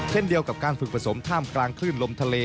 เช่นเดียวกับการฝึกผสมท่ามกลางคลื่นลมทะเล